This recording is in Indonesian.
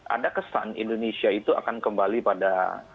ada kesan indonesia itu akan kembali pada